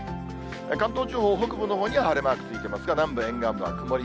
関東地方、北部のほうに、晴れマークついてますが、南部、沿岸部は曇り。